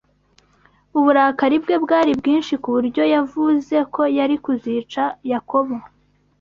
Uburakari bwe bwari bwinshi ku buryo yavuze ko yari kuzica Yakobo